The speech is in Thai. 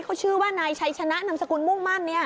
เขาชื่อว่านายชัยชนะนำสกุลมุ่งมั่น